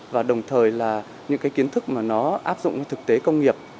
và đồng thời là những kiến thức áp dụng thực tế công nghiệp